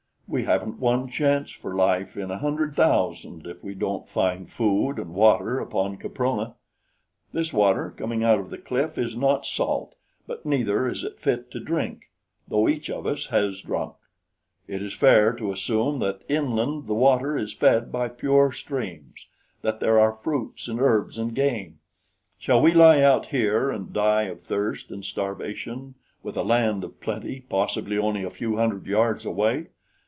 "We haven't one chance for life in a hundred thousand if we don't find food and water upon Caprona. This water coming out of the cliff is not salt; but neither is it fit to drink, though each of us has drunk. It is fair to assume that inland the river is fed by pure streams, that there are fruits and herbs and game. Shall we lie out here and die of thirst and starvation with a land of plenty possibly only a few hundred yards away?